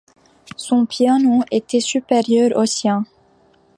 Son piano était supérieur au sien.